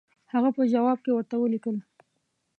هغه په جواب کې ورته ولیکل.